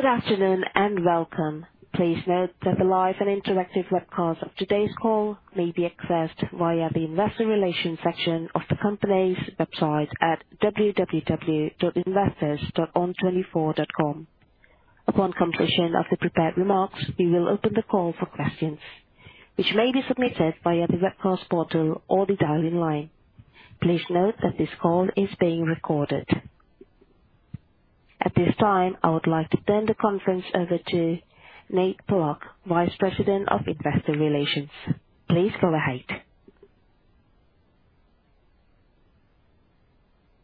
Good afternoon and welcome. Please note that the live and interactive webcast of today's call may be accessed via the investor relations section of the company's website at www.investors.on24.com. Upon completion of the prepared remarks, we will open the call for questions which may be submitted via the webcast portal or the dial-in line. Please note that this call is being recorded. At this time, I would like to turn the conference over to Nate Pollack, Vice President of Investor Relations. Please go ahead.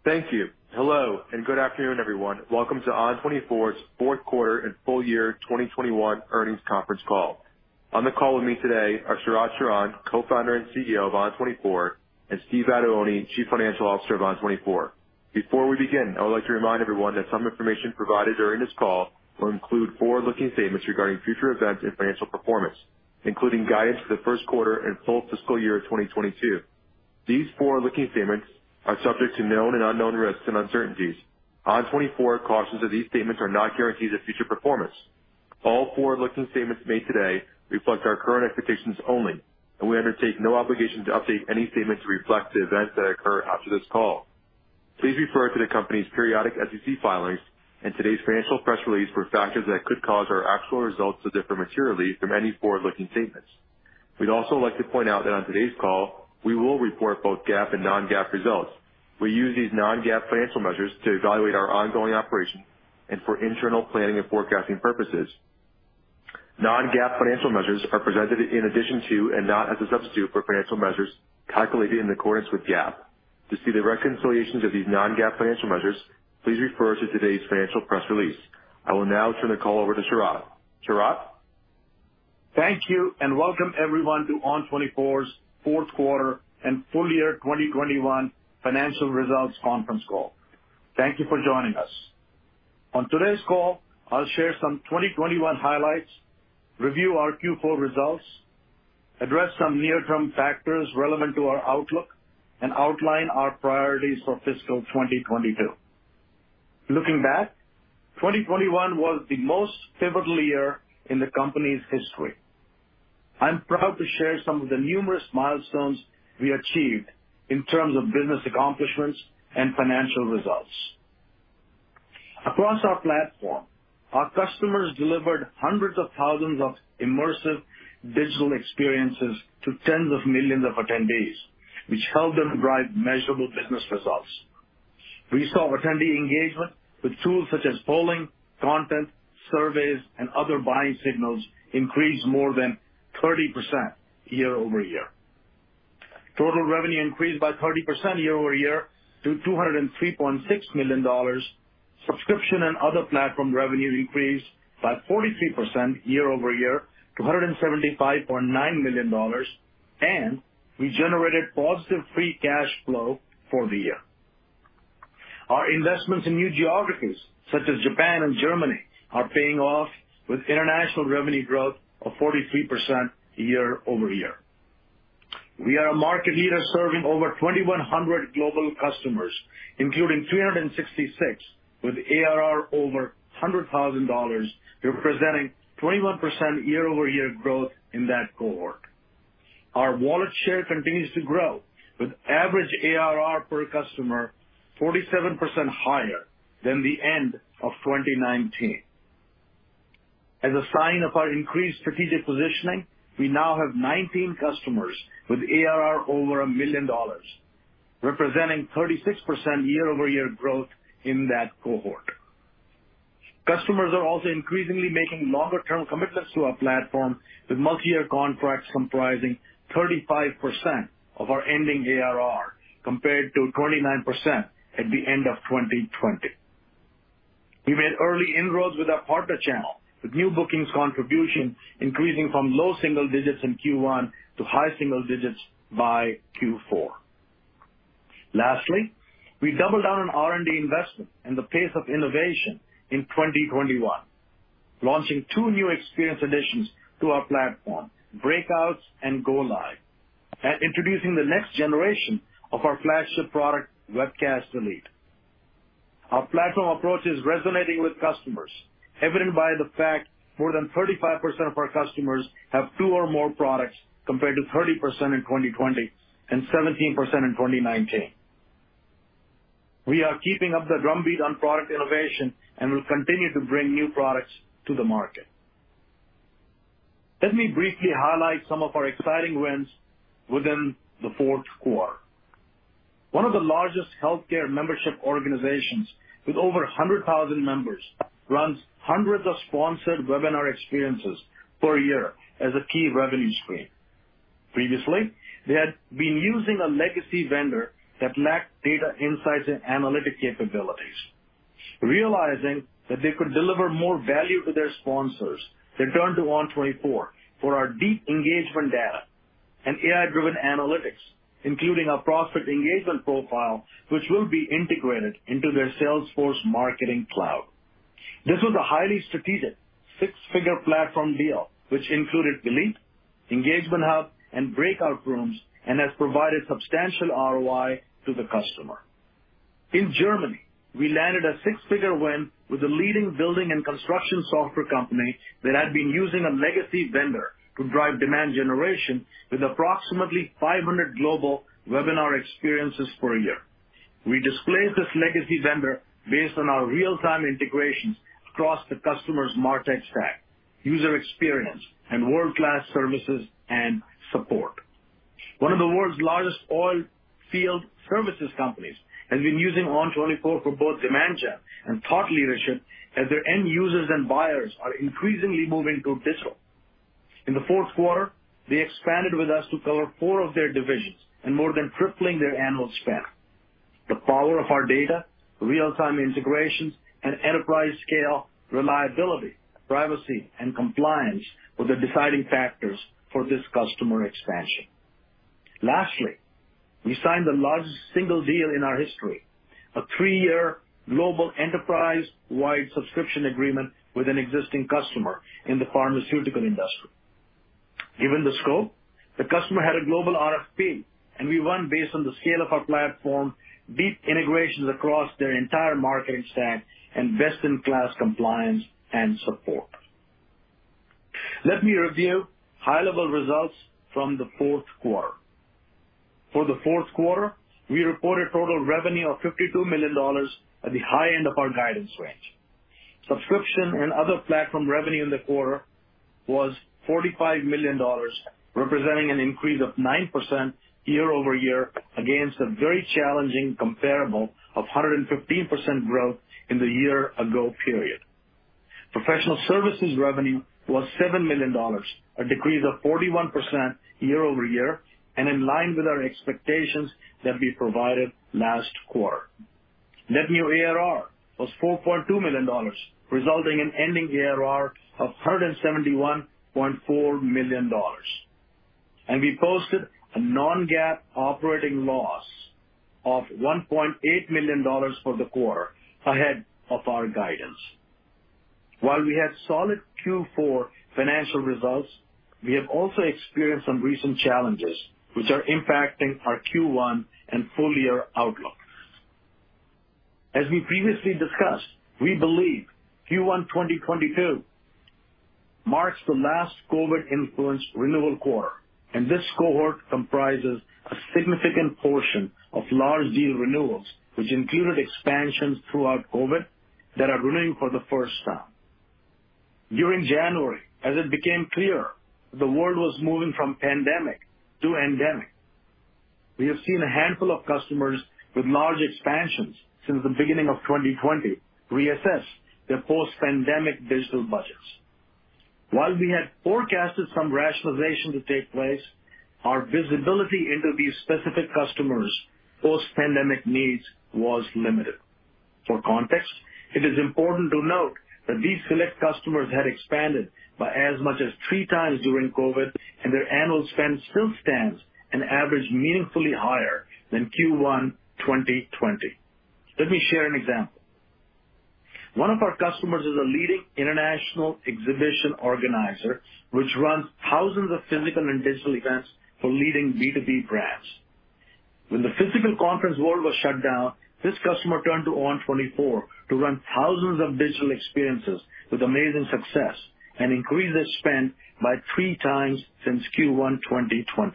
Thank you. Hello and good afternoon, everyone. Welcome to ON24's Q4 and full year 2021 earnings conference call. On the call with me today are Sharat Sharan, Co-founder and CEO of ON24, and Steve Vattuone, Chief Financial Officer of ON24. Before we begin, I would like to remind everyone that some information provided during this call will include forward-looking statements regarding future events and financial performance, including guidance for Q1 and full fiscal year 2022. These forward-looking statements are subject to known and unknown risks and uncertainties. ON24 cautions that these statements are not guarantees of future performance. All forward-looking statements made today reflect our current expectations only, and we undertake no obligation to update any statements to reflect the events that occur after this call. Please refer to the company's periodic SEC filings and today's financial press release for factors that could cause our actual results to differ materially from any forward-looking statements. We'd also like to point out that on today's call we will report both GAAP and non-GAAP results. We use these non-GAAP financial measures to evaluate our ongoing operations and for internal planning and forecasting purposes. Non-GAAP financial measures are presented in addition to and not as a substitute for financial measures calculated in accordance with GAAP. To see the reconciliations of these non-GAAP financial measures, please refer to today's financial press release. I will now turn the call over to Sharat. Sharat? Thank you and welcome everyone to ON24's Q4 and full year 2021 financial results conference call. Thank you for joining us. On today's call, I'll share some 2021 highlights, review our Q4 results, address some near-term factors relevant to our outlook, and outline our priorities for fiscal 2022. Looking back, 2021 was the most pivotal year in the company's history. I'm proud to share some of the numerous milestones we achieved in terms of business accomplishments and financial results. Across our platform, our customers delivered hundreds of thousands of immersive digital experiences to tens of millions of attendees, which helped them drive measurable business results. We saw attendee engagement with tools such as polling, content, surveys, and other buying signals increase more than 30% year-over-year. Total revenue increased by 30% year-over-year to $203.6 million. Subscription and other platform revenue increased by 43% year-over-year to $175.9 million, and we generated positive free cash flow for the year. Our investments in new geographies such as Japan and Germany are paying off with international revenue growth of 43% year-over-year. We are a market leader serving over 2,100 global customers, including 366 with ARR over $100,000, representing 21% year-over-year growth in that cohort. Our wallet share continues to grow, with average ARR per customer 47% higher than the end of 2019. As a sign of our increased strategic positioning, we now have 19 customers with ARR over $1 million, representing 36% year-over-year growth in that cohort. Customers are also increasingly making longer term commitments to our platform, with multi-year contracts comprising 35% of our ending ARR compared to 29% at the end of 2020. We made early inroads with our partner channel, with new bookings contribution increasing from low single digits in Q1 to high single digits by Q4. We doubled down on R&D investment and the pace of innovation in 2021, launching two new experience additions to our platform, Breakouts and Go Live, and introducing the next generation of our flagship product, Webcast Elite. Our platform approach is resonating with customers, evident by the fact more than 35% of our customers have two or more products, compared to 30% in 2020 and 17% in 2019. We are keeping up the drumbeat on product innovation and will continue to bring new products to the market. Let me briefly highlight some of our exciting wins within Q4. One of the largest healthcare membership organizations with over 100,000 members runs hundreds of sponsored webinar experiences per year as a key revenue stream. Previously, they had been using a legacy vendor that lacked data insights and analytic capabilities. Realizing that they could deliver more value to their sponsors, they turned to ON24 for our deep engagement data and AI-driven analytics, including our Prospect Engagement Profile, which will be integrated into their Salesforce Marketing Cloud. This was a highly strategic six-figure platform deal which included the Link, Engagement Hub, and Breakouts and has provided substantial ROI to the customer. In Germany, we landed a six-figure win with a leading building and construction software company that had been using a legacy vendor to drive demand generation with approximately 500 global webinar experiences per year. We displaced this legacy vendor based on our real-time integrations across the customer's martech stack, user experience, and world-class services and support. One of the world's largest oil field services companies has been using ON24 for both demand gen and thought leadership, as their end users and buyers are increasingly moving to digital. In Q4, they expanded with us to cover four of their divisions and more than tripling their annual spend. The power of our data, real-time integrations, and enterprise scale, reliability, privacy, and compliance were the deciding factors for this customer expansion. Lastly, we signed the largest single deal in our history, a three-year global enterprise-wide subscription agreement with an existing customer in the pharmaceutical industry. Given the scope, the customer had a global RFP, and we won based on the scale of our platform, deep integrations across their entire marketing stack, and best-in-class compliance and support. Let me review high-level results from Q4. For Q4, we reported total revenue of $52 million at the high end of our guidance range. Subscription and other platform revenue in the quarter was $45 million, representing an increase of 9% year-over-year against a very challenging comparable of 115% growth in the year-ago period. Professional services revenue was $7 million, a decrease of 41% year-over-year, and in line with our expectations that we provided last quarter. Net new ARR was $4.2 million, resulting in ending ARR of $171.4 million. We posted a non-GAAP operating loss of $1.8 million for the quarter ahead of our guidance. While we had solid Q4 financial results, we have also experienced some recent challenges which are impacting our Q1 and full year outlooks. As we previously discussed, we believe Q1 2022 marks the last COVID-influenced renewal quarter, and this cohort comprises a significant portion of large deal renewals, which included expansions throughout COVID that are renewing for the first time. During January, as it became clear the world was moving from pandemic to endemic, we have seen a handful of customers with large expansions since the beginning of 2020 reassess their post-pandemic digital budgets. While we had forecasted some rationalization to take place, our visibility into these specific customers' post-pandemic needs was limited. For context, it is important to note that these select customers had expanded by as much as 3x during COVID, and their annual spend still stands an average meaningfully higher than Q1 2020. Let me share an example. One of our customers is a leading international exhibition organizer, which runs thousands of physical and digital events for leading B2B brands. When the physical conference world was shut down, this customer turned to ON24 to run thousands of digital experiences with amazing success and increased their spend by 3x since Q1 2020.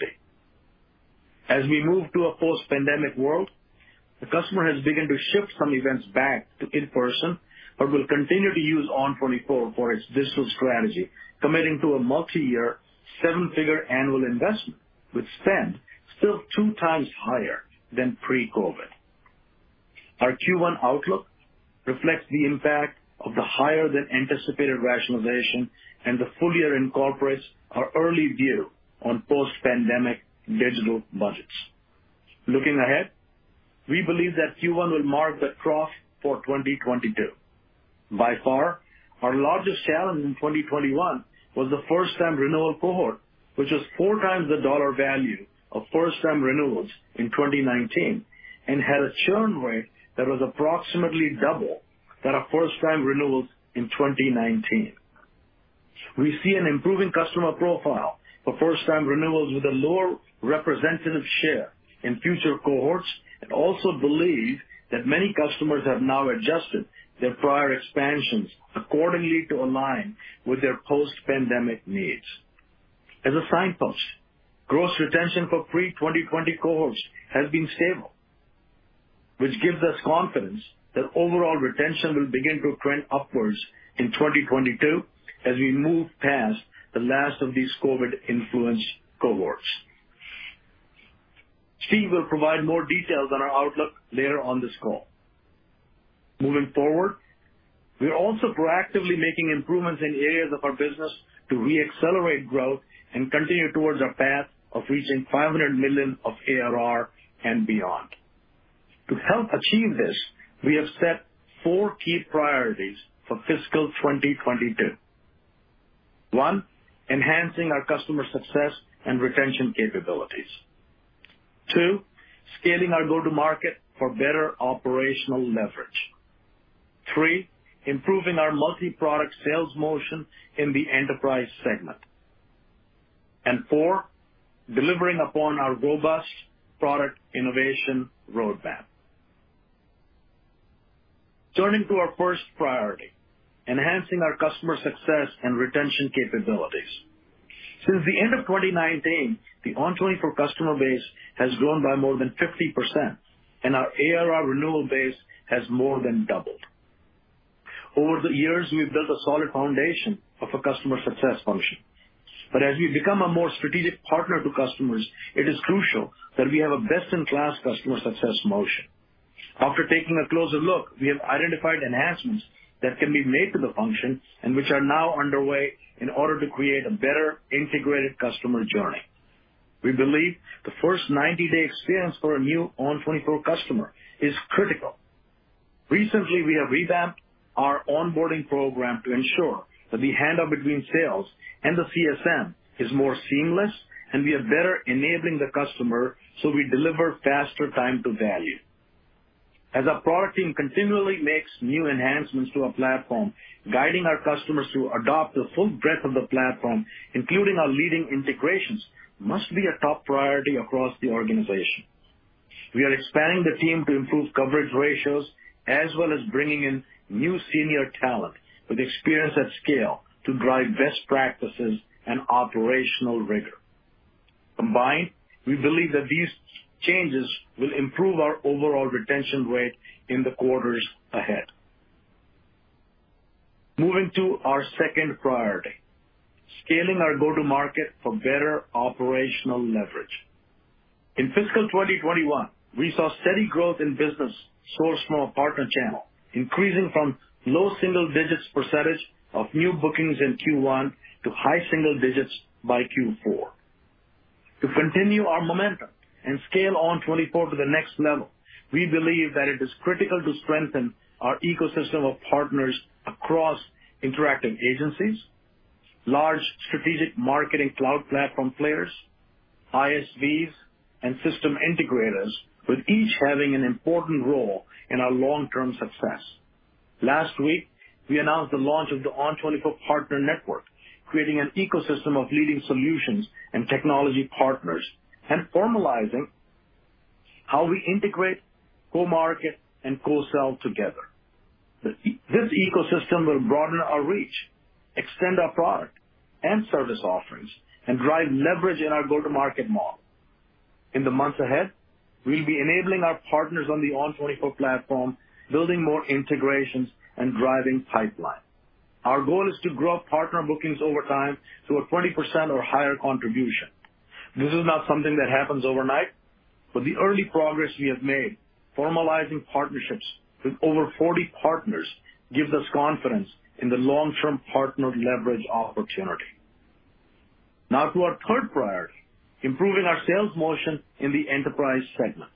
As we move to a post-pandemic world, the customer has begun to shift some events back to in-person, but will continue to use ON24 for its digital strategy, committing to a multiyear seven-figure annual investment, with spend still 2x higher than pre-COVID. Our Q1 outlook reflects the impact of the higher than anticipated rationalization, and the full year incorporates our early view on post-pandemic digital budgets. Looking ahead, we believe that Q1 will mark the trough for 2022. By far, our largest challenge in 2021 was the first-time renewal cohort, which was four times the dollar value of first-time renewals in 2019 and had a churn rate that was approximately double that of first-time renewals in 2019. We see an improving customer profile for first-time renewals with a lower representative share in future cohorts and also believe that many customers have now adjusted their prior expansions accordingly to align with their post-pandemic needs. As a signpost, gross retention for pre-2020 cohorts has been stable, which gives us confidence that overall retention will begin to trend upwards in 2022 as we move past the last of these COVID influenced cohorts. Steve will provide more details on our outlook later on this call. Moving forward, we are also proactively making improvements in areas of our business to re-accelerate growth and continue towards our path of reaching $500 million of ARR and beyond. To help achieve this, we have set four key priorities for fiscal 2022. One, enhancing our customer success and retention capabilities. Two, scaling our go-to-market for better operational leverage. Three, improving our multi-product sales motion in the enterprise segment. Four, delivering upon our robust product innovation roadmap. Turning to our first priority, enhancing our customer success and retention capabilities. Since the end of 2019, the ON24 customer base has grown by more than 50%, and our ARR renewal base has more than doubled. Over the years, we've built a solid foundation of a customer success function. As we become a more strategic partner to customers, it is crucial that we have a best-in-class customer success motion. After taking a closer look, we have identified enhancements that can be made to the function and which are now underway in order to create a better integrated customer journey. We believe the first 90-day experience for a new ON24 customer is critical. Recently, we have revamped our onboarding program to ensure that the handoff between sales and the CSM is more seamless, and we are better enabling the customer, so we deliver faster time to value. As our product team continually makes new enhancements to our platform, guiding our customers to adopt the full breadth of the platform, including our leading integrations, must be a top priority across the organization. We are expanding the team to improve coverage ratios, as well as bringing in new senior talent with experience at scale to drive best practices and operational rigor. Combined, we believe that these changes will improve our overall retention rate in the quarters ahead. Moving to our second priority, scaling our go-to-market for better operational leverage. In fiscal 2021, we saw steady growth in business sourced from our partner channel, increasing from low single digits percentage of new bookings in Q1 to high single digits percentage by Q4. To continue our momentum and scale ON24 to the next level, we believe that it is critical to strengthen our ecosystem of partners across interactive agencies, large strategic marketing cloud platform players, ISVs, and system integrators, with each having an important role in our long-term success. Last week, we announced the launch of the ON24 Partner Network, creating an ecosystem of leading solutions and technology partners, and formalizing how we integrate, go market, and go sell together. The ecosystem will broaden our reach, extend our product and service offerings, and drive leverage in our go-to-market model. In the months ahead, we'll be enabling our partners on the ON24 platform, building more integrations and driving pipeline. Our goal is to grow partner bookings over time to a 20% or higher contribution. This is not something that happens overnight, but the early progress we have made formalizing partnerships with over 40 partners gives us confidence in the long-term partner leverage opportunity. Now to our third priority, improving our sales motion in the enterprise segment.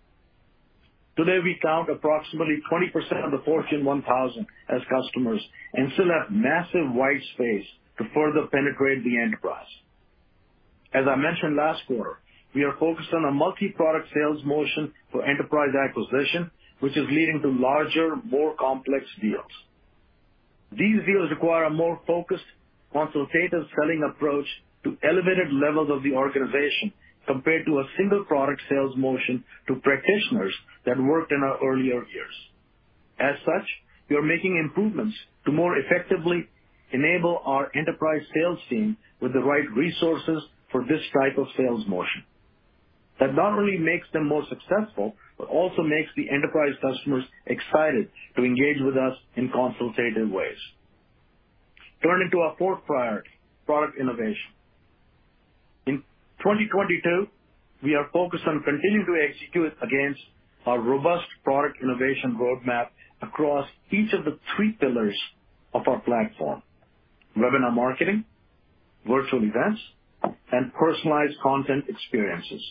Today, we count approximately 20% of the Fortune 1000 as customers and still have massive wide space to further penetrate the enterprise. As I mentioned last quarter, we are focused on a multiproduct sales motion for enterprise acquisition, which is leading to larger, more complex deals. These deals require a more focused, consultative selling approach to elevated levels of the organization compared to a single product sales motion to practitioners that worked in our earlier years. As such, we are making improvements to more effectively enable our enterprise sales team with the right resources for this type of sales motion. That not only makes them more successful, but also makes the enterprise customers excited to engage with us in consultative ways. Turning to our fourth priority, product innovation. In 2022, we are focused on continuing to execute against our robust product innovation roadmap across each of the three pillars of our platform, webinar marketing, virtual events, and personalized content experiences.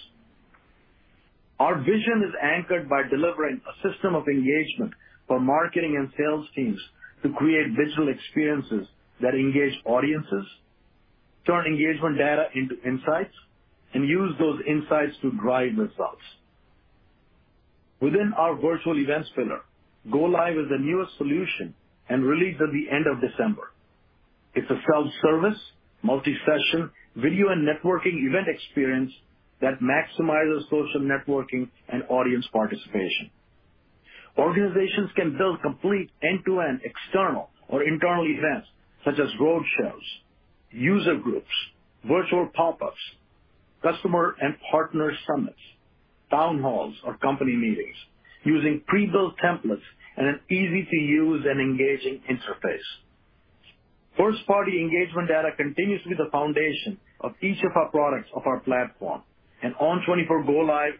Our vision is anchored by delivering a system of engagement for marketing and sales teams to create visual experiences that engage audiences, turn engagement data into insights, and use those insights to drive results. Within our virtual events pillar, Go Live is the newest solution and released at the end of December. It's a self-service, multi-session, video and networking event experience that maximizes social networking and audience participation. Organizations can build complete end-to-end external or internal events, such as roadshows, user groups, virtual pop-ups, customer and partner summits, town halls or company meetings using prebuilt templates and an easy-to-use and engaging interface. First-party engagement data continues to be the foundation of each of our products of our platform. In ON24 Go Live,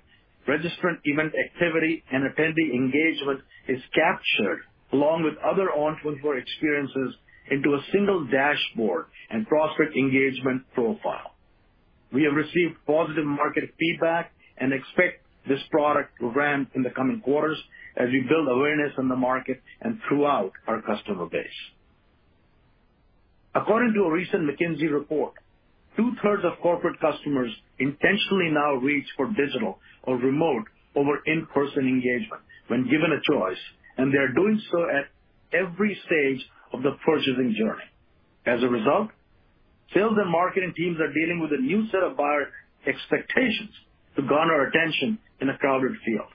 registrant event activity and attendee engagement is captured along with other ON24 experiences into a single dashboard and Prospect Engagement Profile. We have received positive market feedback and expect this product to ramp in the coming quarters as we build awareness in the market and throughout our customer base. According to a recent McKinsey report, two-thirds of corporate customers intentionally now reach for digital or remote over in-person engagement when given a choice, and they are doing so at every stage of the purchasing journey. As a result, sales and marketing teams are dealing with a new set of buyer expectations to garner attention in a crowded field.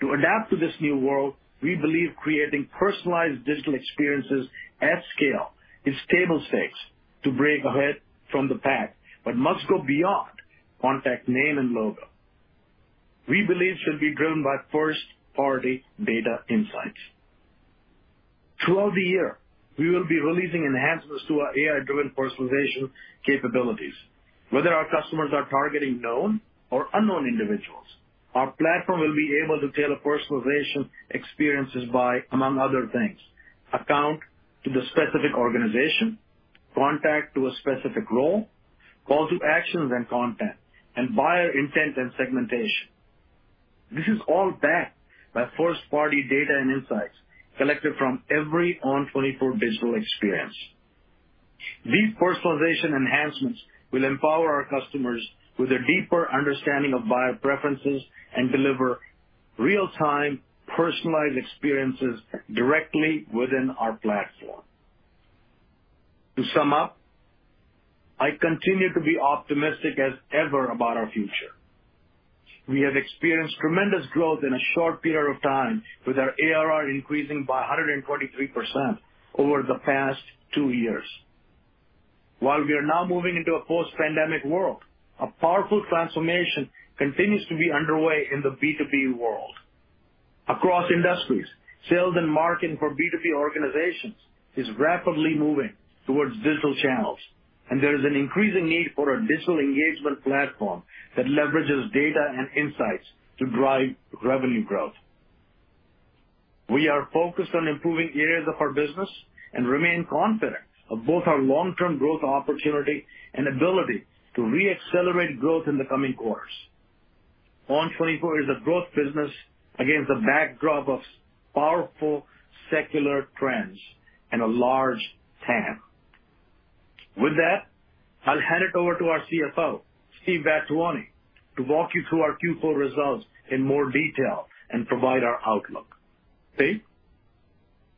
To adapt to this new world, we believe creating personalized digital experiences at scale is table stakes to break ahead from the pack but must go beyond contact name and logo. We believe it should be driven by first-party data insights. Throughout the year, we will be releasing enhancements to our AI-driven personalization capabilities. Whether our customers are targeting known or unknown individuals, our platform will be able to tailor personalization experiences by, among other things, account to the specific organization, contact to a specific role, call to actions and content, and buyer intent and segmentation. This is all backed by first-party data and insights collected from every ON24 digital experience. These personalization enhancements will empower our customers with a deeper understanding of buyer preferences and deliver real-time personalized experiences directly within our platform. To sum up, I continue to be optimistic as ever about our future. We have experienced tremendous growth in a short period of time, with our ARR increasing by 123% over the past two years. While we are now moving into a post-pandemic world, a powerful transformation continues to be underway in the B2B world. Across industries, sales and marketing for B2B organizations is rapidly moving towards digital channels, and there is an increasing need for a digital engagement platform that leverages data and insights to drive revenue growth. We are focused on improving areas of our business and remain confident of both our long-term growth opportunity and ability to re-accelerate growth in the coming quarters. ON24 is a growth business against a backdrop of powerful secular trends and a large TAM. With that, I'll hand it over to our CFO, Steve Vattuone, to walk you through our Q4 results in more detail and provide our outlook. Steve?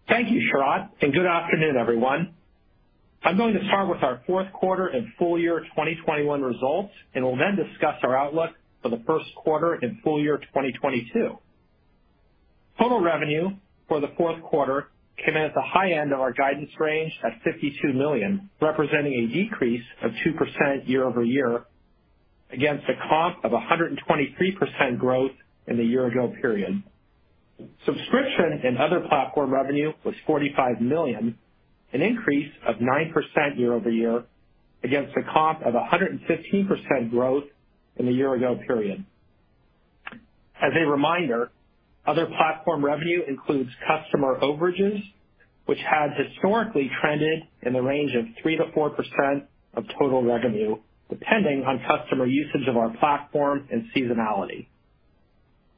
Thank you, Sharat, and good afternoon, everyone. I'm going to start with our Q4 and full year 2021 results, and will then discuss our outlook for Q1 and full year 2022. Total revenue for Q4 came in at the high end of our guidance range at $52 million, representing a decrease of 2% year-over-year against a comp of 123% growth in the year ago period. Subscription and other platform revenue was $45 million, an increase of 9% year-over-year against a comp of 115% growth in the year ago period. As a reminder, other platform revenue includes customer overages, which has historically trended in the range of 3%-4% of total revenue, depending on customer usage of our platform and seasonality.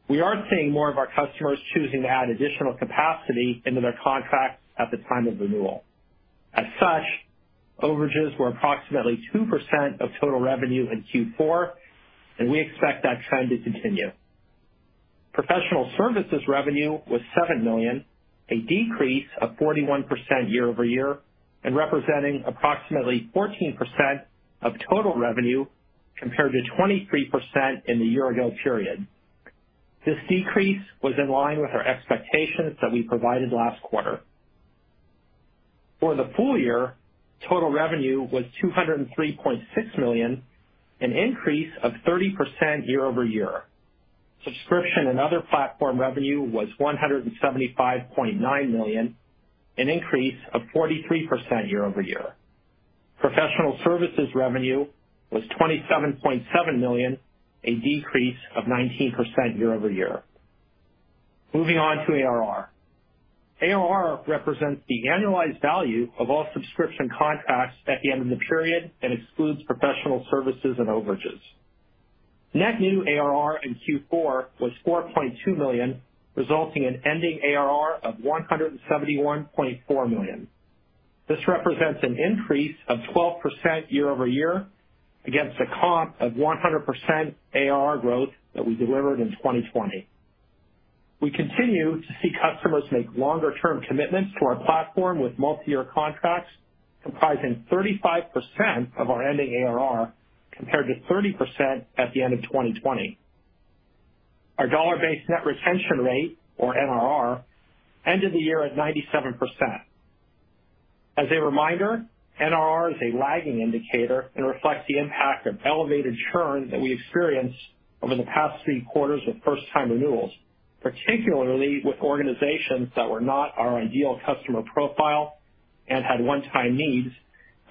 We are seeing more of our customers choosing to add additional capacity into their contracts at the time of renewal. Overages were approximately 2% of total revenue in Q4, and we expect that trend to continue. Professional services revenue was $7 million, a decrease of 41% year-over-year, and representing approximately 14% of total revenue, compared to 23% in the year ago period. This decrease was in line with our expectations that we provided last quarter. For the full year, total revenue was $203.6 million, an increase of 30% year-over-year. Subscription and other platform revenue was $175.9 million, an increase of 43% year-over-year. Professional services revenue was $27.7 million, a decrease of 19% year-over-year. Moving on to ARR. ARR represents the annualized value of all subscription contracts at the end of the period and excludes professional services and overages. Net new ARR in Q4 was $4.2 million, resulting in ending ARR of $171.4 million. This represents an increase of 12% year-over-year against a comp of 100% ARR growth that we delivered in 2020. We continue to see customers make longer term commitments to our platform with multi-year contracts comprising 35% of our ending ARR, compared to 30% at the end of 2020. Our dollar-based net retention rate, or NRR, ended the year at 97%. As a reminder, NRR is a lagging indicator and reflects the impact of elevated churn that we experienced over the past three quarters with first time renewals, particularly with organizations that were not our ideal customer profile and had one-time needs,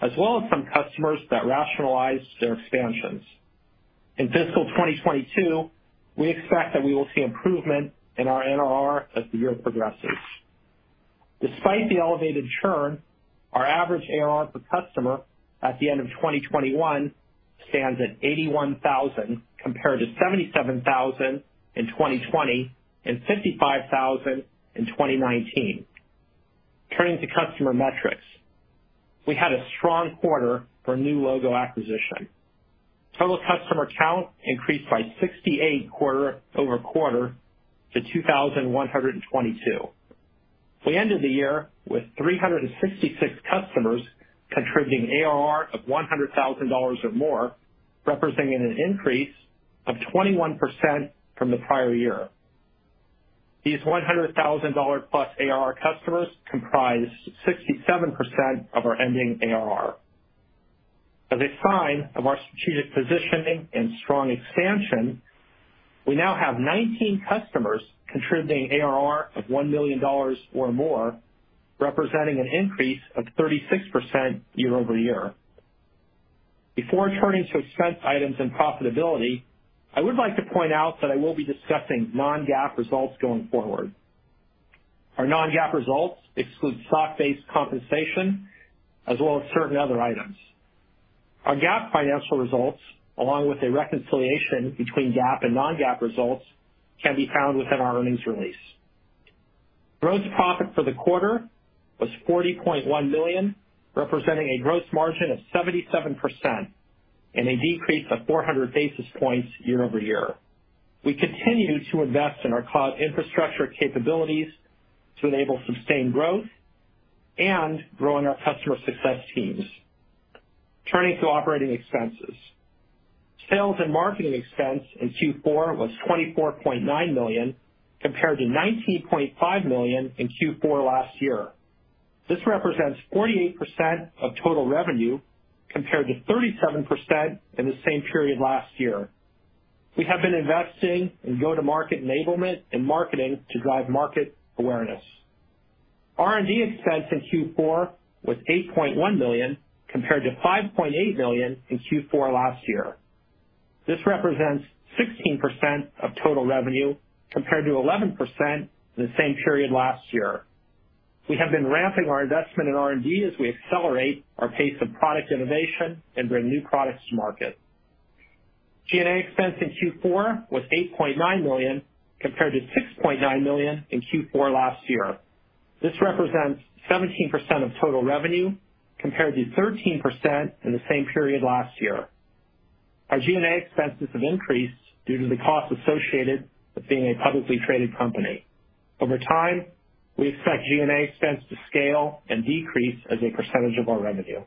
as well as some customers that rationalize their expansions. In fiscal 2022, we expect that we will see improvement in our NRR as the year progresses. Despite the elevated churn, our average ARR per customer at the end of 2021 stands at $81,000, compared to $77,000 in 2020 and $55,000 in 2019. Turning to customer metrics. We had a strong quarter for new logo acquisition. Total customer count increased by 68 quarter over quarter to 2,122. We ended the year with 366 customers contributing ARR of $100,000 or more, representing an increase of 21% from the prior year. These $100,000-plus ARR customers comprise 67% of our ending ARR. As a sign of our strategic positioning and strong expansion, we now have 19 customers contributing ARR of $1 million or more, representing an increase of 36% year-over-year. Before turning to expense items and profitability, I would like to point out that I will be discussing non-GAAP results going forward. Our non-GAAP results exclude stock-based compensation as well as certain other items. Our GAAP financial results, along with a reconciliation between GAAP and non-GAAP results, can be found within our earnings release. Gross profit for the quarter was $40.1 million, representing a gross margin of 77% and a decrease of 400 basis points year-over-year. We continue to invest in our cloud infrastructure capabilities to enable sustained growth and growing our customer success teams. Turning to operating expenses. Sales and marketing expense in Q4 was $24.9 million, compared to $19.5 million in Q4 last year. This represents 48% of total revenue, compared to 37% in the same period last year. We have been investing in go-to-market enablement and marketing to drive market awareness. R&D expense in Q4 was $8.1 million, compared to $5.8 million in Q4 last year. This represents 16% of total revenue, compared to 11% in the same period last year. We have been ramping our investment in R&D as we accelerate our pace of product innovation and bring new products to market. G&A expense in Q4 was $8.9 million, compared to $6.9 million in Q4 last year. This represents 17% of total revenue, compared to 13% in the same period last year. Our G&A expenses have increased due to the costs associated with being a publicly traded company. Over time, we expect G&A expense to scale and decrease as a percentage of our revenue.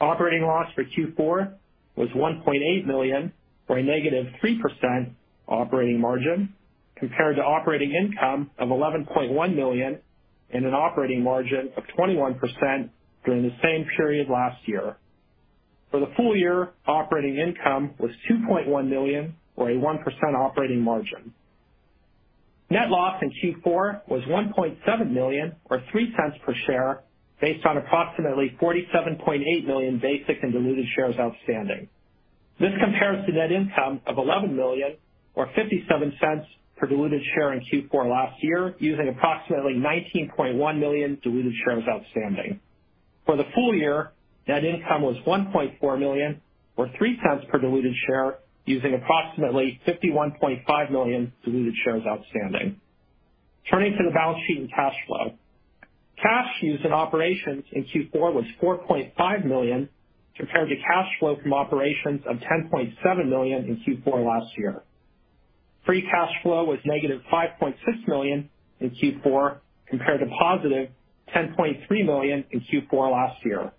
Operating loss for Q4 was $1.8 million or a -3% operating margin, compared to operating income of $11.1 million and an operating margin of 21% during the same period last year. For the full year, operating income was $2.1 million or a 1% operating margin. Net loss in Q4 was $1.7 million or 3 cents per share based on approximately 47.8 million basic and diluted shares outstanding. This compares to net income of $11 million or 57 cents per diluted share in Q4 last year, using approximately 19.1 million diluted shares outstanding. For the full year, net income was $1.4 million or 3 cents per diluted share, using approximately 51.5 million diluted shares outstanding. Turning to the balance sheet and cash flow. Cash used in operations in Q4 was $4.5 million, compared to cash flow from operations of $10.7 million in Q4 last year. Free cash flow was negative $5.6 million in Q4, compared to positive $10.3 million in Q4 last year.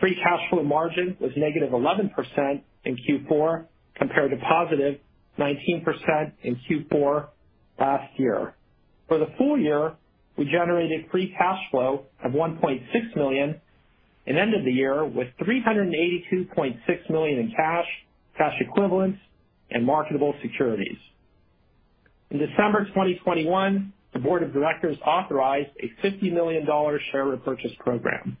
Free cash flow margin was negative 11% in Q4, compared to positive 19% in Q4 last year. For the full year, we generated free cash flow of $1.6 million and ended the year with $382.6 million in cash equivalents, and marketable securities. In December 2021, the board of directors authorized a $50 million share repurchase program.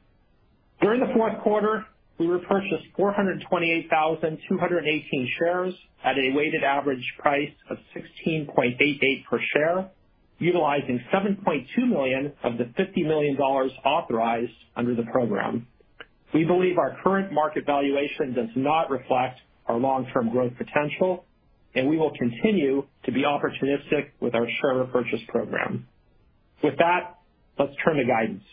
During Q4, we repurchased 428,218 shares at a weighted average price of $16.88 per share, utilizing $7.2 million of the $50 million authorized under the program. We believe our current market valuation does not reflect our long-term growth potential, and we will continue to be opportunistic with our share repurchase program. With that, let's turn to guidance.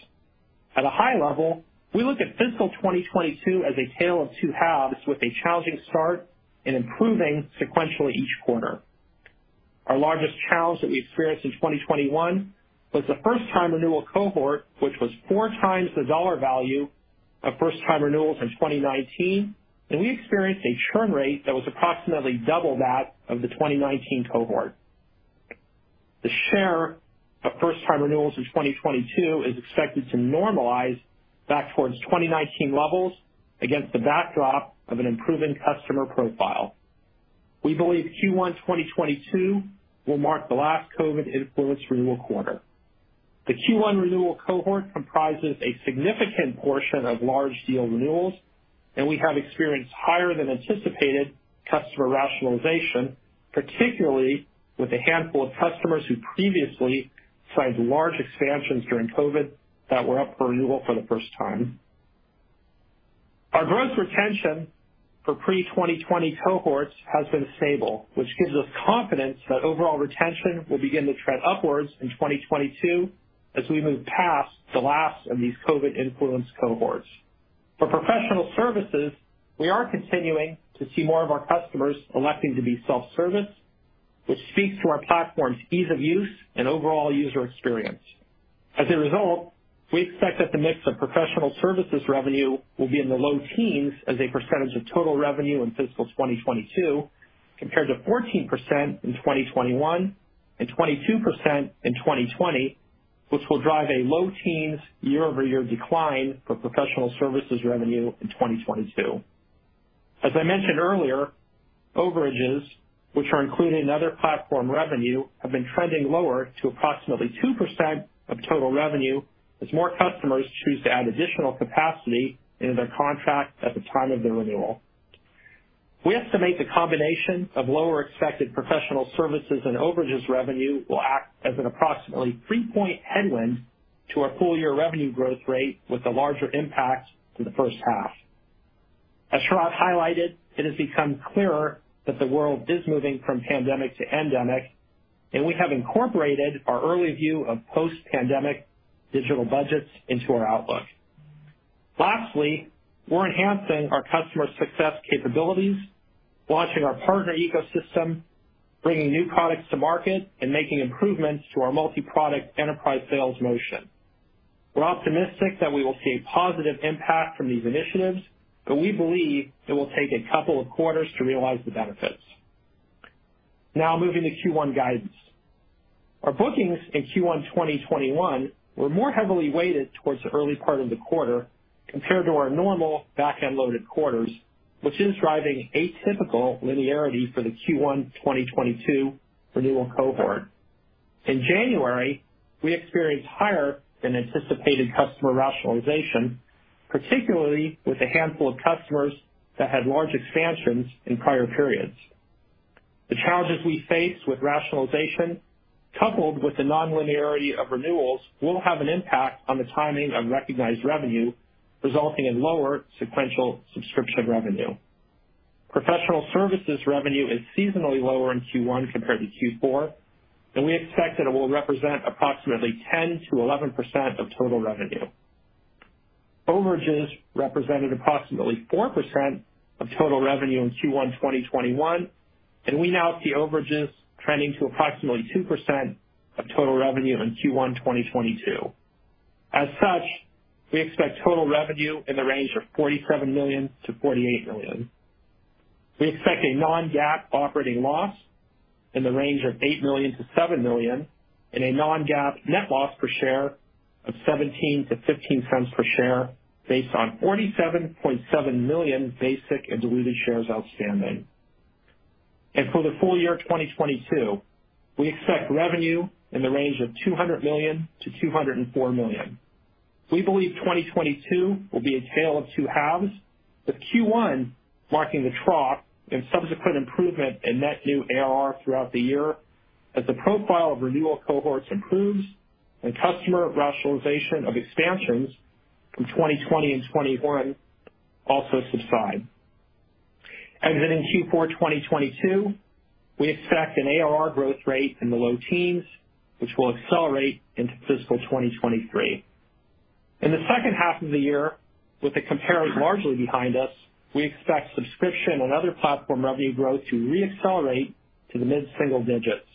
At a high level, we look at fiscal 2022 as a tale of two halves with a challenging start and improving sequentially each quarter. Our largest challenge that we experienced in 2021 was the first time renewal cohort, which was four times the dollar value of first time renewals in 2019, and we experienced a churn rate that was approximately double that of the 2019 cohort. The share of first time renewals in 2022 is expected to normalize back towards 2019 levels against the backdrop of an improving customer profile. We believe Q1 2022 will mark the last COVID influenced renewal quarter. The Q1 renewal cohort comprises a significant portion of large deal renewals, and we have experienced higher than anticipated customer rationalization, particularly with a handful of customers who previously signed large expansions during COVID that were up for renewal for the first time. Our gross retention for pre-2020 cohorts has been stable, which gives us confidence that overall retention will begin to trend upwards in 2022 as we move past the last of these COVID influenced cohorts. For professional services, we are continuing to see more of our customers electing to be self-service, which speaks to our platform's ease of use and overall user experience. As a result, we expect that the mix of professional services revenue will be in the low teens as a percentage of total revenue in fiscal 2022, compared to 14% in 2021 and 22% in 2020, which will drive a low teens year-over-year decline for professional services revenue in 2022. As I mentioned earlier, overages, which are included in other platform revenue, have been trending lower to approximately 2% of total revenue as more customers choose to add additional capacity into their contract at the time of their renewal. We estimate the combination of lower expected professional services and overages revenue will act as an approximately three-point headwind to our full year revenue growth rate, with a larger impact in the first half. As Sharat highlighted, it has become clearer that the world is moving from pandemic to endemic, and we have incorporated our early view of post-pandemic digital budgets into our outlook. Lastly, we're enhancing our customer success capabilities, launching our partner ecosystem, bringing new products to market, and making improvements to our multi-product enterprise sales motion. We're optimistic that we will see a positive impact from these initiatives, but we believe it will take a couple of quarters to realize the benefits. Now moving to Q1 guidance. Our bookings in Q1 2021 were more heavily weighted towards the early part of the quarter compared to our normal back-end loaded quarters, which is driving atypical linearity for the Q1 2022 renewal cohort. In January, we experienced higher than anticipated customer rationalization, particularly with a handful of customers that had large expansions in prior periods. The challenges we face with rationalization, coupled with the nonlinearity of renewals, will have an impact on the timing of recognized revenue, resulting in lower sequential subscription revenue. Professional services revenue is seasonally lower in Q1 compared to Q4, and we expect that it will represent approximately 10%-11% of total revenue. Overages represented approximately 4% of total revenue in Q1 2021, and we now see overages trending to approximately 2% of total revenue in Q1 2022. As such, we expect total revenue in the range of $47 million-$48 million. We expect a non-GAAP operating loss in the range of $8 million-$7 million and a non-GAAP net loss per share of 17-15 cents per share based on 47.7 million basic and diluted shares outstanding. For the full year 2022, we expect revenue in the range of $200 million-$204 million. We believe 2022 will be a tale of two halves, with Q1 marking the trough and subsequent improvement in net new ARR throughout the year as the profile of renewal cohorts improves and customer rationalization of expansions from 2020 and 2021 also subside. In Q4 2022, we expect an ARR growth rate in the low teens, which will accelerate into fiscal 2023. In the second half of the year, with the compare largely behind us, we expect subscription and other platform revenue growth to re-accelerate to the mid-single digits.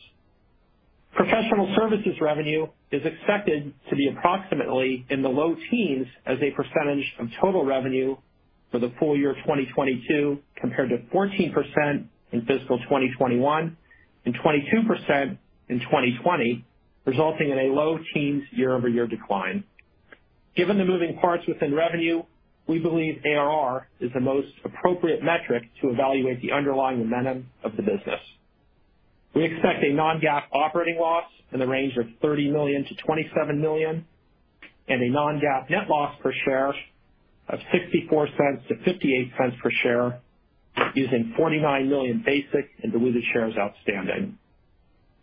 Professional services revenue is expected to be approximately in the low teens as a percentage of total revenue for the full year of 2022, compared to 14% in fiscal 2021 and 22% in 2020, resulting in a low teens year-over-year decline. Given the moving parts within revenue, we believe ARR is the most appropriate metric to evaluate the underlying momentum of the business. We expect a non-GAAP operating loss in the range of $30 million-$27 million and a non-GAAP net loss per share of $0.64-$0.58 per share, using 49 million basic and diluted shares outstanding.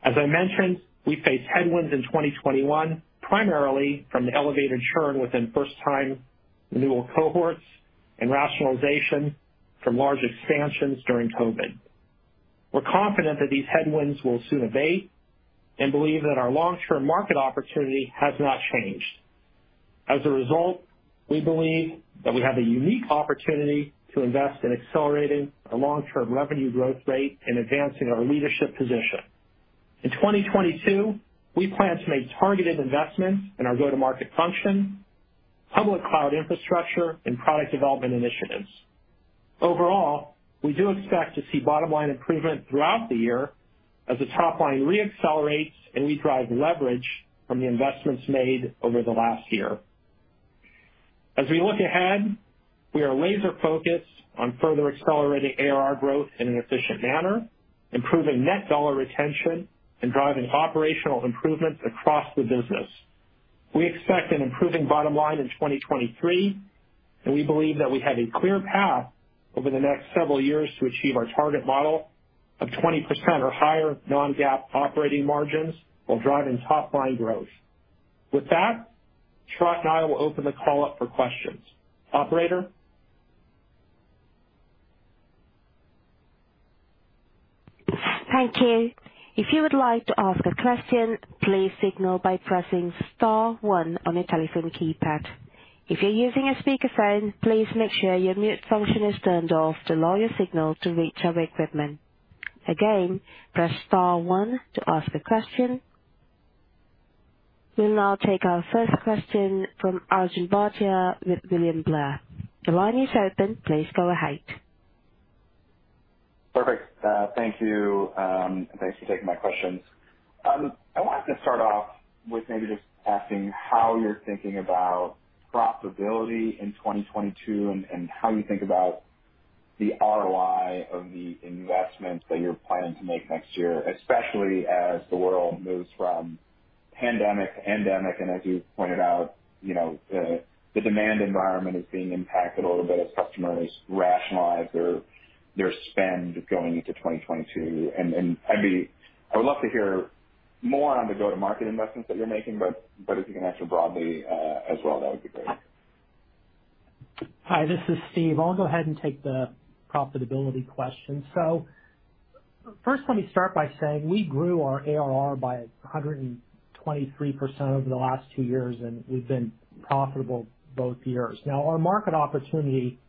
As I mentioned, we faced headwinds in 2021, primarily from the elevated churn within first time renewal cohorts and rationalization from large expansions during COVID. We're confident that these headwinds will soon abate and believe that our long-term market opportunity has not changed. As a result, we believe that we have a unique opportunity to invest in accelerating our long-term revenue growth rate and advancing our leadership position. In 2022, we plan to make targeted investments in our go-to-market function, public cloud infrastructure, and product development initiatives. Overall, we do expect to see bottom-line improvement throughout the year as the top-line re-accelerates and we drive leverage from the investments made over the last year. As we look ahead, we are laser-focused on further accelerating ARR growth in an efficient manner, improving net dollar retention, and driving operational improvements across the business. We expect an improving bottom line in 2023, and we believe that we have a clear path over the next several years to achieve our target model of 20% or higher non-GAAP operating margins while driving top line growth. With that, Sharat and I will open the call up for questions. Operator? Thank you. If you would like to ask a question, please signal by pressing star one on your telephone keypad. If you're using a speakerphone, please make sure your mute function is turned off to allow your signal to reach our equipment. Again, press star one to ask a question. We'll now take our first question from Arjun Bhatia with William Blair. The line is open. Please go ahead. Perfect. Thank you. Thanks for taking my questions. I wanted to start off with maybe just asking how you're thinking about profitability in 2022 and how you think about the ROI of the investments that you're planning to make next year, especially as the world moves from pandemic to endemic. As you pointed out, the demand environment is being impacted a little bit as customers rationalize their spend going into 2022. I would love to hear more on the go-to-market investments that you're making, but if you can answer broadly, as well, that would be great. Hi, this is Steve. I'll go ahead and take the profitability question. First, let me start by saying we grew our ARR by 123% over the last two years, and we've been profitable both years. Now, our market opportunity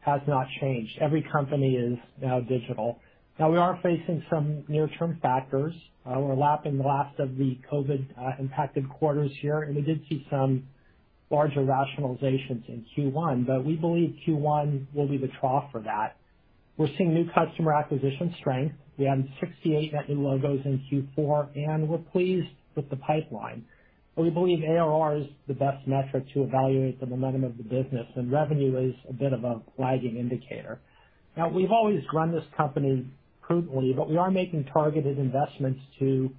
has not changed. Every company is now digital. Now we are facing some near term factors. We're lapping the last of the COVID impacted quarters here, and we did see some larger rationalizations in Q1. We believe Q1 will be the trough for that. We're seeing new customer acquisition strength. We added 68 net new logos in Q4, and we're pleased with the pipeline. We believe ARR is the best metric to evaluate the momentum of the business, and revenue is a bit of a lagging indicator. Now, we've always run this company prudently, but we are making targeted investments to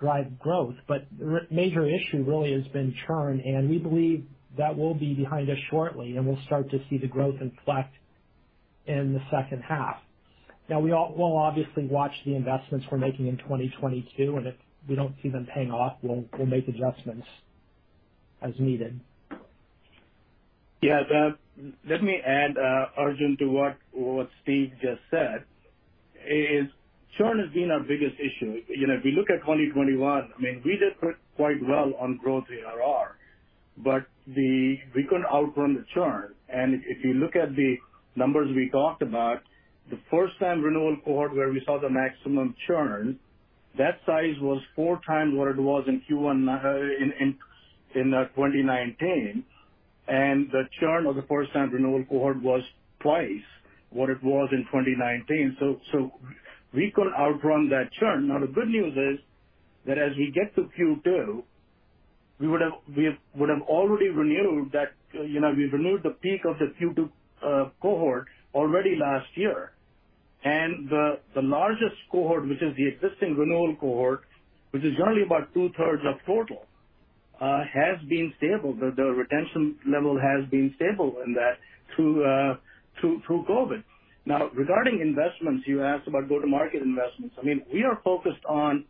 drive growth. Our major issue really has been churn, and we believe that will be behind us shortly, and we'll start to see the growth inflect in the second half. Now, we'll obviously watch the investments we're making in 2022, and if we don't see them paying off, we'll make adjustments as needed. Yes. Let me add, Arjun, to what Steve just said, is churn has been our biggest issue. If you look at 2021, we did pretty well on growth ARR, but we couldn't outrun the churn. If you look at the numbers we talked about, the first-time renewal cohort where we saw the maximum churn, that size was four times what it was in Q1 in 2019. The churn of the first-time renewal cohort was twice what it was in 2019. So we couldn't outrun that churn. Now, the good news is that as we get to Q2, we would have already renewed that we renewed the peak of the Q2 cohort already last year. The largest cohort, which is the existing renewal cohort, which is only about two-thirds of total, has been stable. The retention level has been stable in that through COVID. Now regarding investments, you asked about go-to-market investments. We are focused on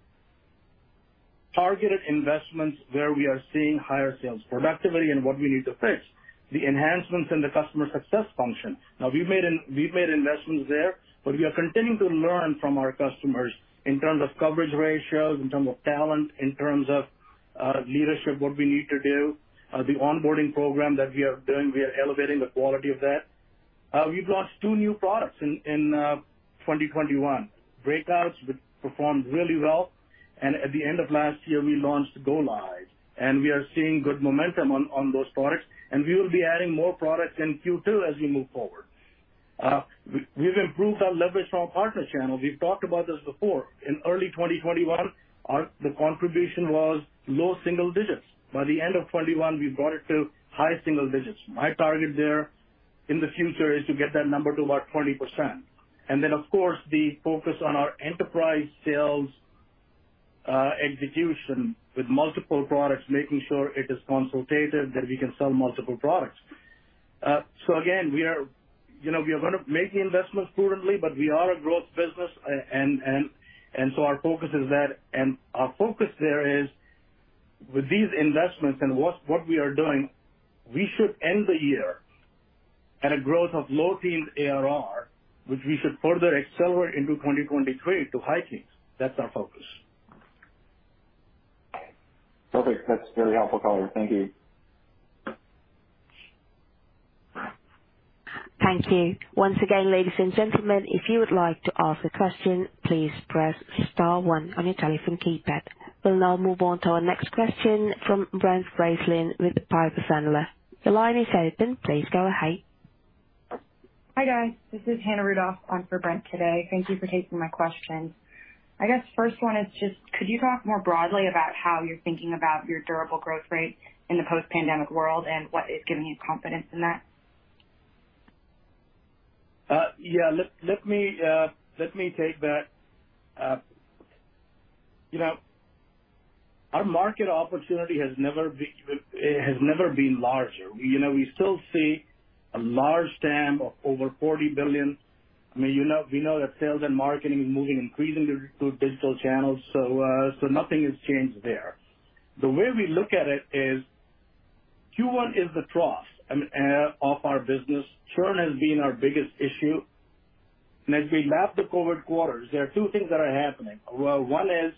targeted investments where we are seeing higher sales productivity and what we need to fix, the enhancements in the customer success function. Now we've made investments there, but we are continuing to learn from our customers in terms of coverage ratios, in terms of talent, in terms of leadership, what we need to do. The onboarding program that we are doing, we are elevating the quality of that. We've launched two new products in 2021. Breakouts, which performed really well. At the end of last year, we launched Go Live, and we are seeing good momentum on those products, and we will be adding more products in Q2 as we move forward. We've improved our leverage from our partner channel. We've talked about this before. In early 2021, our contribution was low single digits. By the end of 2021, we brought it to high single digits. My target there in the future is to get that number to about 20%. Of course, the focus on our enterprise sales execution with multiple products, making sure it is consultative, that we can sell multiple products. Again, we are going to make investments prudently, but we are a growth business. Our focus is that. Our focus there is with these investments and what we are doing, we should end the year at a growth of low teens ARR, which we should further accelerate into 2023 to high teens. That's our focus. Perfect. That's very helpful, guys. Thank you. Thank you. Once again, ladies and gentlemen, if you would like to ask a question, please press star one on your telephone keypad. We'll now move on to our next question from Brent Bracelin with Piper Sandler. The line is open. Please go ahead. Hi, guys. This is Hannah Rudolph on for Brent today. Thank you for taking my questions. First one is just, could you talk more broadly about how you're thinking about your durable growth rate in the post-pandemic world and what is giving you confidence in that? Yes. Let me take that. Our market opportunity has never been larger. We still see a large TAM of over $40 billion. We know that sales and marketing is moving increasingly to digital channels, so nothing has changed there. The way we look at it is Q1 is the trough of our business. Churn has been our biggest issue. As we map the COVID quarters, there are two things that are happening. Well, one is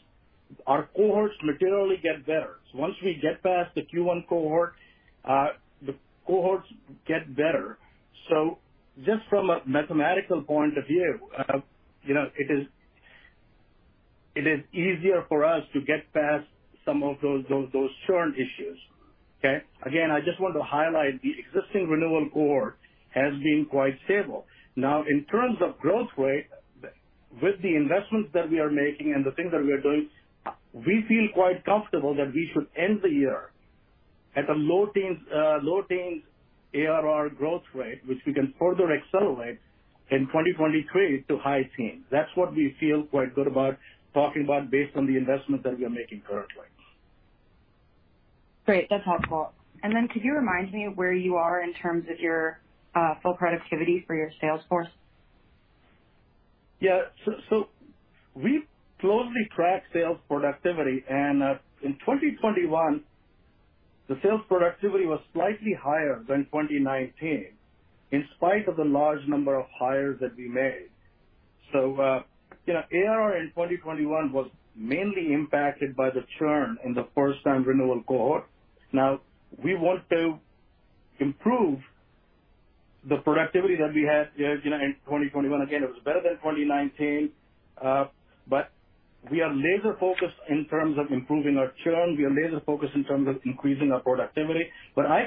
our cohorts materially get better. Once we get past the Q1 cohort, the cohorts get better. Just from a mathematical point of view it is easier for us to get past some of those churn issues. Again, I just want to highlight the existing renewal cohort has been quite stable. Now, in terms of growth rate, with the investments that we are making and the things that we are doing, we feel quite comfortable that we should end the year at a low-teens ARR growth rate, which we can further accelerate in 2023 to high-teens. That's what we feel quite good about talking about based on the investment that we are making currently. Great. That's helpful. Could you remind me where you are in terms of your full productivity for your sales force? Yes. We closely track sales productivity, and in 2021, the sales productivity was slightly higher than 2019, in spite of the large number of hires that we made. ARR in 2021 was mainly impacted by the churn in the first time renewal cohort. Now, we want to improve the productivity that we had in 2021. Again, it was better than 2019. We are laser focused in terms of improving our churn. We are laser focused in terms of increasing our productivity. I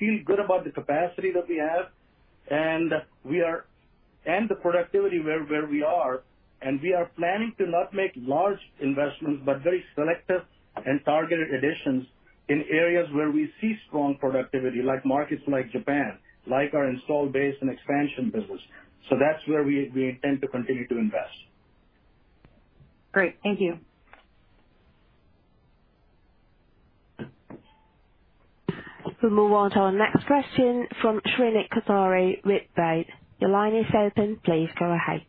feel good about the capacity that we have, and the productivity where we are, and we are planning to not make large investments, but very selective and targeted additions in areas where we see strong productivity, like markets like Japan, like our installed base and expansion business. That's where we intend to continue to invest. Great. Thank you. We'll move on to our next question from Shrenik Kothari, Baird. Your line is open. Please go ahead.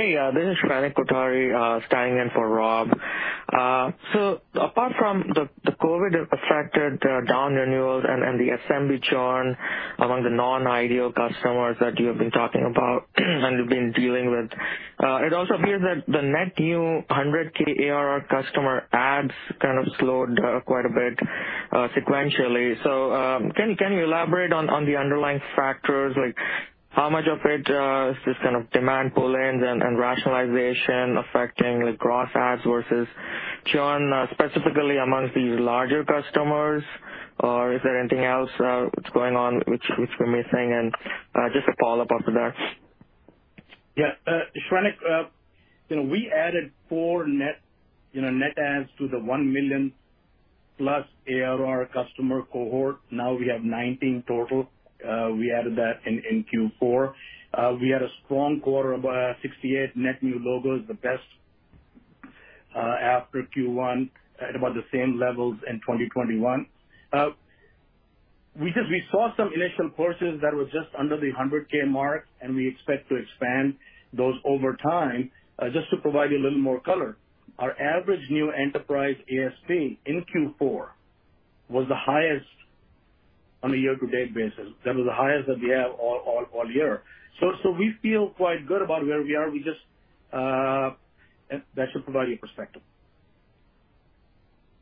Hey, this is Shrenik Kothari, standing in for Rob. Apart from the COVID-affected down renewals and the SMB churn among the non-ideal customers that you have been talking about and you've been dealing with, it also appears that the net new 100K ARR customer adds slowed quite a bit sequentially. Can you elaborate on the underlying factors? How much of it is this kind of demand pull-in and rationalization affecting the gross adds versus churn, specifically among these larger customers? Or is there anything else that's going on which we're missing? Just a follow-up after that. Yes. Shrenik, we added four net adds to the one million-plus ARR customer cohort. Now we have 19 total. We added that in Q4. We had a strong quarter of 68 net new logos, the best after Q1 at about the same levels in 2021. We saw some initial purchases that was just under the $100K mark, and we expect to expand those over time. Just to provide you a little more color, our average new enterprise ASP in Q4 was the highest on a year-to-date basis. That was the highest that we have all year. We feel quite good about where we are. That should provide you perspective.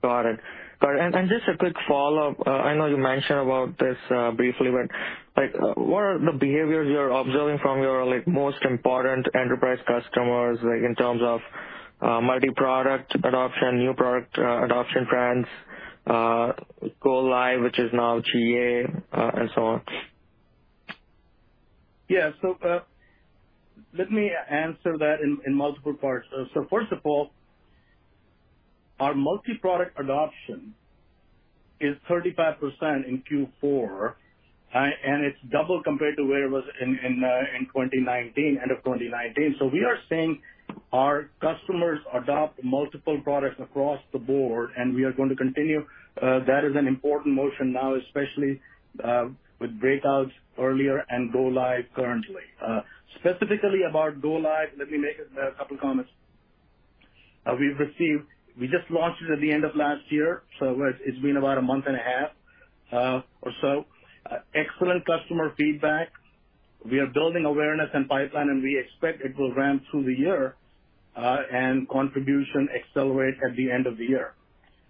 Got it. Just a quick follow-up. I know you mentioned about this briefly, but what are the behaviors you're observing from your most important enterprise customers in terms of multi-product adoption, new product adoption trends, Go Live, which is now GA, and so on? Yes. Let me answer that in multiple parts. First of all, our multi-product adoption is 35% in Q4, and it's double compared to where it was in 2019, end of 2019. We are seeing our customers adopt multiple products across the board, and we are going to continue. That is an important motion now, especially with Breakouts earlier and Go Live currently. Specifically about Go Live, let me make a couple comments. We've received excellent customer feedback. We just launched it at the end of last year, so it's been about a month and a half or so. We are building awareness and pipeline, and we expect it will ramp through the year, and contribution accelerate at the end of the year.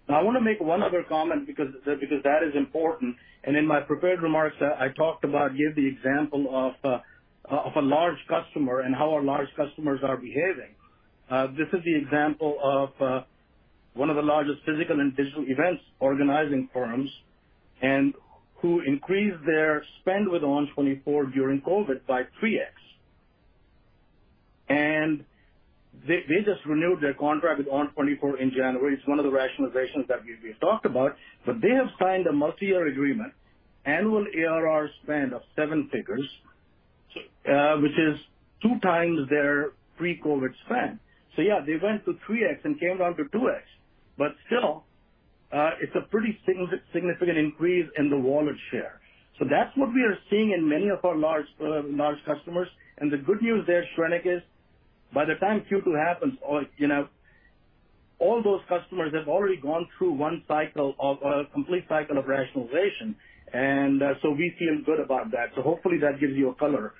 Now, I want to make one other comment because that is important. In my prepared remarks, I talked about, gave the example of a large customer and how our large customers are behaving. This is the example of one of the largest physical and digital events organizing firms who increased their spend with ON24 during COVID by 3x. They just renewed their contract with ON24 in January. It's one of the rationalizations that we talked about. They have signed a multi-year agreement, annual ARR spend of seven figures, which is 2x their pre-COVID spend. Yes, they went to 3x and came down to 2x. Still, it's a pretty significant increase in the wallet share. That's what we are seeing in many of our large customers. The good news there, Shrenik, is by the time Q2 happens all those customers have already gone through a complete cycle of rationalization. We feel good about that. Hopefully that gives you a color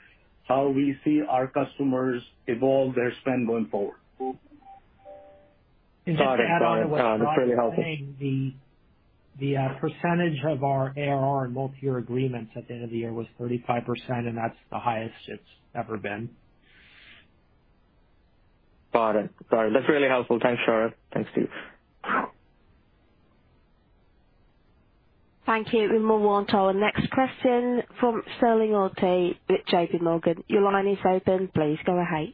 how we see our customers evolve their spend going forward. TJust to add on to what Scott was saying, the percentage of our ARR in multi-year agreements at the end of the year was 35%, and that's the highest it's ever been. Got it. That's really helpful. Thanks, Steve. Thank you. We'll move on to our next question from Sterling Auty with JPMorgan. Your line is open. Please go ahead.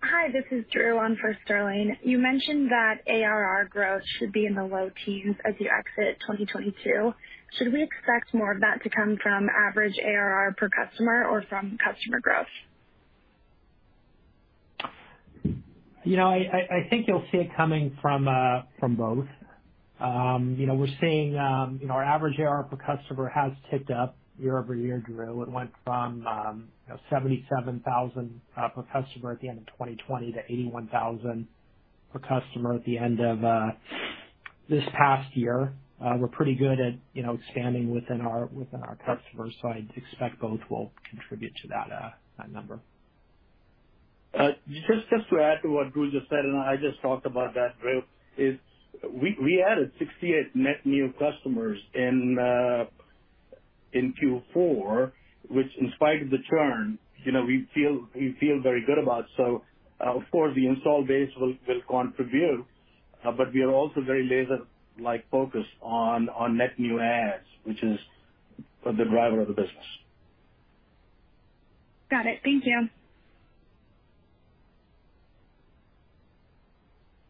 Hi, this is Drew on for Sterling. You mentioned that ARR growth should be in the low teens as you exit 2022. Should we expect more of that to come from average ARR per customer or from customer growth? I think you'll see it coming from both. We're seeing our average ARR per customer has ticked up year-over-year, Drew. It went from $77,000 per customer at the end of 2020 to $81,000 per customer at the end of this past year. We're pretty good at expanding within our customers, so I'd expect both will contribute to that number. Just to add to what Drew just said, and I just talked about that, Drew. We added 68 net new customers in Q4, which, in spite of the churn we feel very good about. Of course, the install base will contribute, but we are also very laser-like focused on net new adds, which is the driver of the business. Got it. Thank you.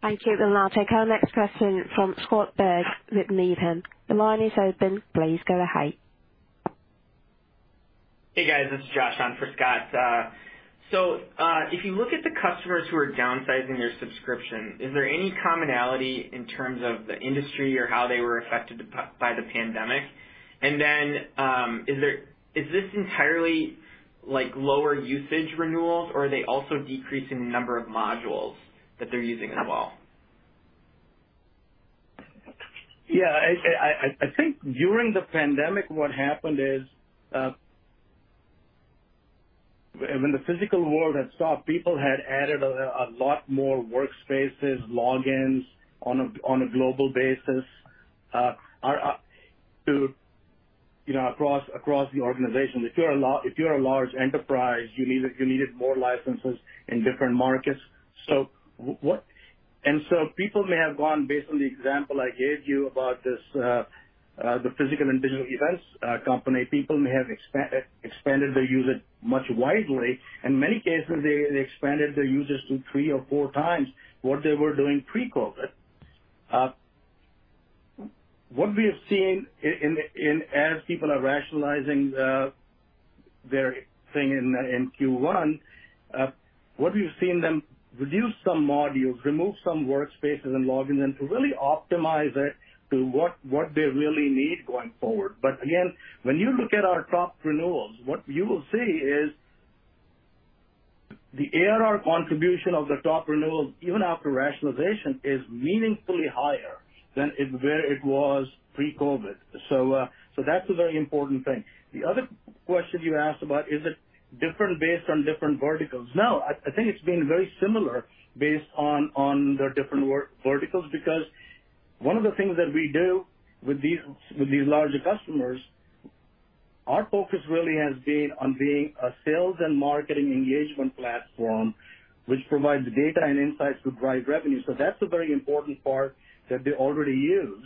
Thank you. We'll now take our next question from Scott Berg with Needham. The line is open. Please go ahead. Hey, guys. It's Josh on for Scott. If you look at the customers who are downsizing their subscription, is there any commonality in terms of the industry or how they were affected by the pandemic? Is this entirely like lower usage renewals, or are they also decreasing the number of modules that they're using as well? I think during the pandemic, what happened is, when the physical world had stopped, people had added a lot more workspaces, logins on a global basis across the organization. If you're a large enterprise, you needed more licenses in different markets. People may have gone based on the example I gave you about this, the physical and digital events company. People may have expanded their usage much widely. In many cases, they expanded their users to three or four times what they were doing pre-COVID. What we have seen as people are rationalizing their thing in Q1, is them reduce some modules, remove some workspaces and logins, and to really optimize it to what they really need going forward. Again, when you look at our top renewals, what you will see is the ARR contribution of the top renewals, even after rationalization, is meaningfully higher than it was pre-COVID. That's a very important thing. The other question you asked about, is it different based on different verticals? No, I think it's been very similar based on the different verticals. Because one of the things that we do with these larger customers, our focus really has been on being a sales and marketing engagement platform which provides data and insights to drive revenue. That's a very important part that they already use.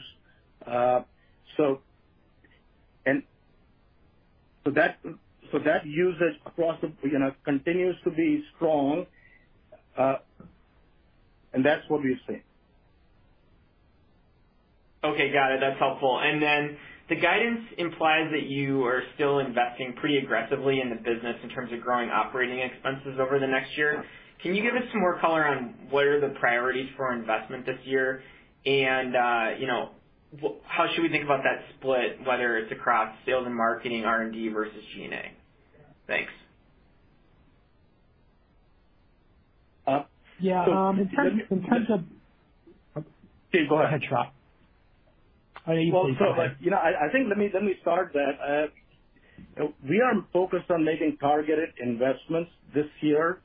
That usage across the continues to be strong. That's what we've seen. Okay. Got it. That's helpful. The guidance implies that you are still investing pretty aggressively in the business in terms of growing operating expenses over the next year. Can you give us some more color on what are the priorities for investment this year? How should we think about that split, whether it's across sales and marketing, R&D versus G&A? Thanks. Steve, go ahead. Well, I think let me start that. We are focused on making targeted investments this year.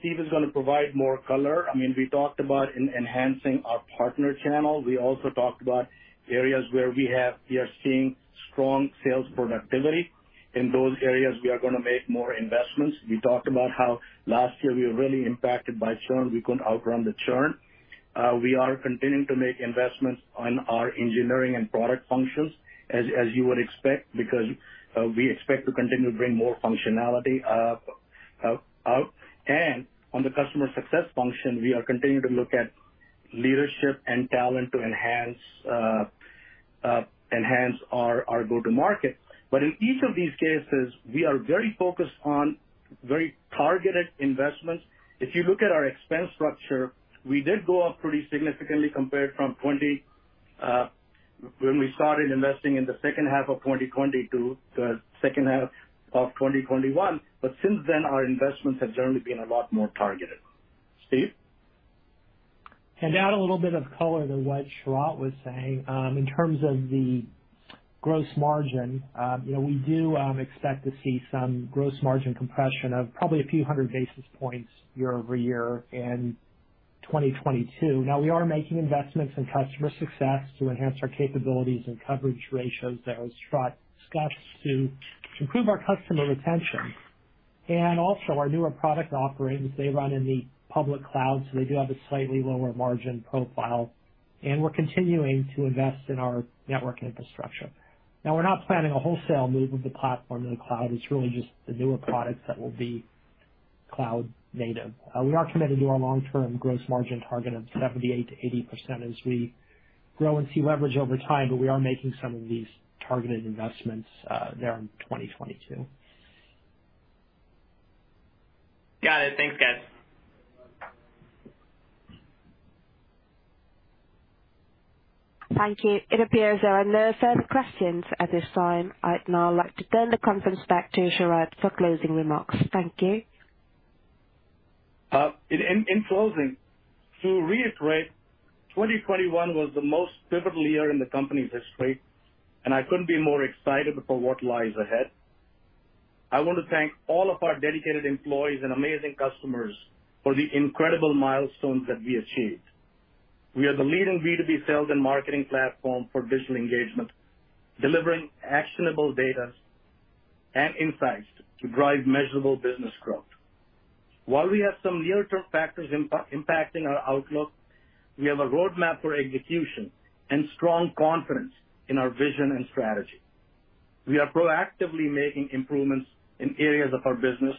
Steve is going to provide more color. We talked about enhancing our partner channel. We also talked about areas where we are seeing strong sales productivity. In those areas, we are going to make more investments. We talked about how last year we were really impacted by churn. We couldn't outrun the churn. We are continuing to make investments on our engineering and product functions, as you would expect, because we expect to continue to bring more functionality out. On the customer success function, we are continuing to look at leadership and talent to enhance our go-to-market. In each of these cases, we are very focused on very targeted investments. If you look at our expense structure, we did go up pretty significantly compared from 2020, when we started investing in the second half of 2020 to the second half of 2021. Since then, our investments have generally been a lot more targeted. Steve? To add a little bit of color to what Sharat was saying, in terms of the gross margin we do expect to see some gross margin compression of probably a few hundred basis points year-over-year in 2022. Now, we are making investments in customer success to enhance our capabilities and coverage ratios that Sharat discussed to improve our customer retention. Also our newer product offerings, they run in the public cloud, so they do have a slightly lower margin profile, and we're continuing to invest in our network infrastructure. Now we're not planning a wholesale move of the platform to the cloud. It's really just the newer products that will be cloud native. We are committed to our long-term gross margin target of 78%-80% as we grow and see leverage over time, but we are making some of these targeted investments there in 2022. Got it. Thanks, guys. Thank you. It appears there are no further questions at this time. I'd now like to turn the conference back to Sharat for closing remarks. Thank you. In closing, to reiterate, 2021 was the most pivotal year in the company's history, and I couldn't be more excited for what lies ahead. I want to thank all of our dedicated employees and amazing customers for the incredible milestones that we achieved. We are the leading B2B sales and marketing platform for digital engagement, delivering actionable data and insights to drive measurable business growth. While we have some near-term factors impacting our outlook, we have a roadmap for execution and strong confidence in our vision and strategy. We are proactively making improvements in areas of our business,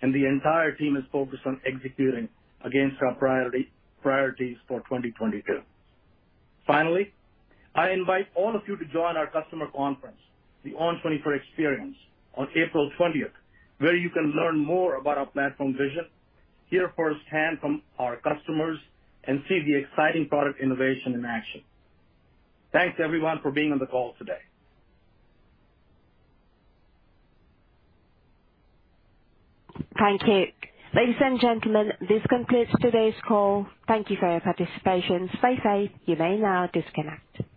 and the entire team is focused on executing against our priorities for 2022. Finally, I invite all of you to join our customer conference, the ON24 Experience, on April 20th, where you can learn more about our platform vision, hear firsthand from our customers, and see the exciting product innovation in action. Thanks, everyone, for being on the call today. Thank you. Ladies and gentlemen, this completes today's call. Thank you for your participation. Stay safe. You may now disconnect.